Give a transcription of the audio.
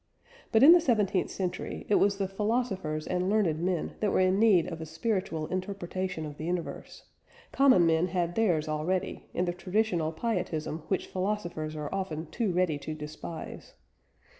But, in the seventeenth century, it was the philosophers and learned men that were in need of a spiritual interpretation of the universe; common men had theirs already, in the traditional pietism which philosophers are often too ready to despise.